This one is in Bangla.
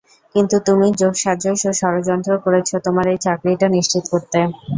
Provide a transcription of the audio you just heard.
কিন্তু তুমি যোগসাজশ ও যড়যন্ত্র করেছ তোমার এই চাকরিটা নিশ্চিত করতে।